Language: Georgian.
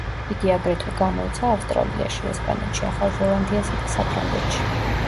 იგი აგრეთვე გამოიცა ავსტრალიაში, ესპანეთში, ახალ ზელანდიასა და საფრანგეთში.